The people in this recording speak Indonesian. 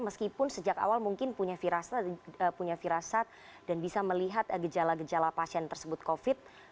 meskipun sejak awal mungkin punya firasat dan bisa melihat gejala gejala pasien tersebut covid